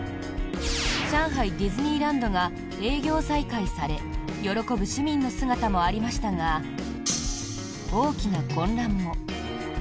上海ディズニーランドが営業再開され喜ぶ市民の姿もありましたが大きな混乱も。